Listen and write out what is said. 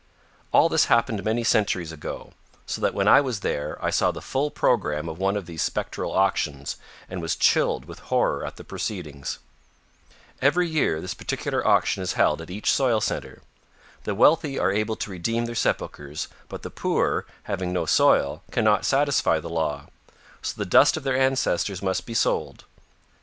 All this happened many centuries ago, so that when I was there I saw the full program of one of these spectral auctions and was chilled with horror at the proceedings. Every year this peculiar auction is held at each soil center. The wealthy are able to redeem their sepulchers, but the poor, having no soil, cannot satisfy the law; so the dust of their ancestors must be sold.